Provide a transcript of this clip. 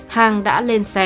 hàng đã lên xe